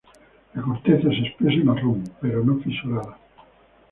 La corteza es espesa y marrón, pero no fisurada.